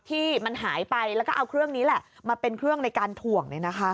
ที่มันหายไปแล้วก็เอาเครื่องนี้แหละมาเป็นเครื่องในการถ่วง